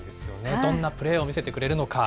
どんなプレーを見せてくれるのか。